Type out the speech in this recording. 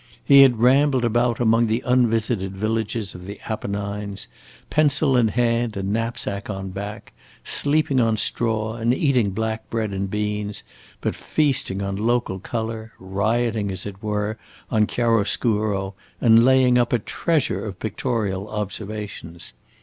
He had rambled about among the unvisited villages of the Apennines, pencil in hand and knapsack on back, sleeping on straw and eating black bread and beans, but feasting on local color, rioting, as it were, on chiaroscuro, and laying up a treasure of pictorial observations.